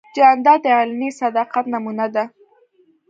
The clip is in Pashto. جانداد د علني صداقت نمونه ده.